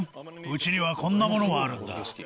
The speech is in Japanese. うちにはこんなものがあるんだ。